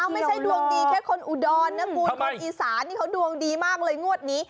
ไม่ใช่ดวงดีแค่คนอุดรนะคุณคนอีสานนี่เขาดวงดีมากเลยงวดนี้